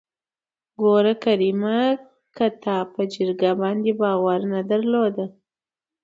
ګوره کريمه که تا په جرګه باندې باور نه درلوده.